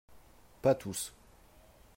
Pas tous